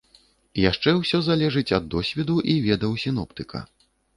Яшчэ ўсё залежыць ад досведу і ведаў сіноптыка.